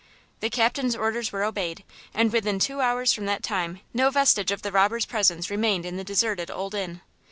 The captain's orders were obeyed, and within two hours from that time no vestige of the robbers' presence remained in the deserted Old Inn.